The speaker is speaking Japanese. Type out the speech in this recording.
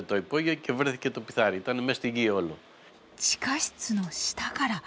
地下室の下から。